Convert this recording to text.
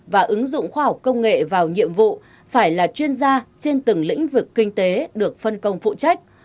và ứng dụng khoa học công nghệ vào nhiệm vụ phải là chuyên gia trên từng lĩnh vực kinh tế được phân công phụ trách